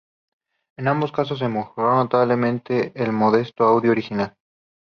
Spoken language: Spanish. En ambos casos se mejoró notablemente el modesto audio original.